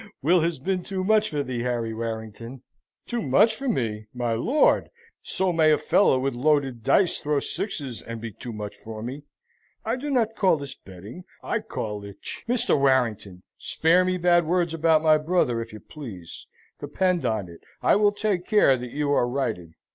"Will has been too much for thee, Harry Warrington." "Too much for me, my lord! So may a fellow with loaded dice throw sixes, and be too much for me. I do not call this betting, I call it ch " "Mr. Warrington! Spare me bad words about my brother, if you please. Depend on it, I will take care that you are righted.